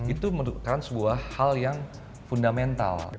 itu merupakan sebuah hal yang fundamental